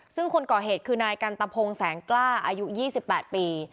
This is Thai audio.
ซึ่งคนก่อเหตุคือนายกันตะพงแสงกล้าอายุ๒๘ปี